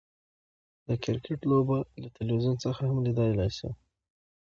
د کرکټ بازۍ له تلویزیون څخه هم ليدلاى سو.